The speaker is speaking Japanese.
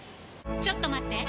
ちょっと待って！